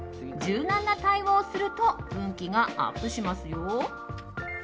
柔軟な対応をすると運気がアップしますよ。